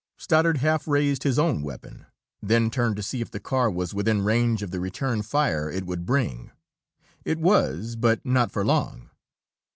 Stoddard half raised his own weapon, then turned to see if the car was within range of the return fire it would bring. It was but not for long.